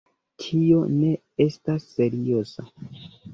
Tio ne estas serioza.